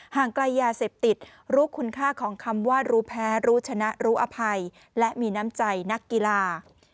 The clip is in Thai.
ห่างไกลยาเสพติดรู้คุณค่าของคำว่ารู้แพ้รู้ชนะรู้อภัยและมีน้ำใจนักกีฬา